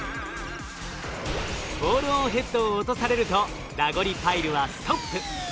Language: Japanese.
ボールオンヘッドを落とされるとラゴリパイルはストップ。